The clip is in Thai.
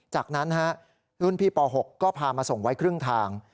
จากนั้นรุ่นพี่ป๖ก็พามาส่งไว้ครึ่งทาง